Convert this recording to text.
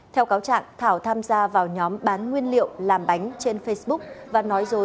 theo cáo trạng thảo tham gia vào nhóm bán nguyên liệu làm bánh trên facebook